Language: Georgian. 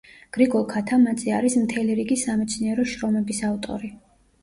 გრიგოლ ქათამაძე არის მთელი რიგი სამეცნიერო შრომების ავტორი.